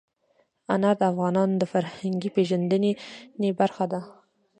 انار د افغانانو د فرهنګي پیژندنې برخه ده.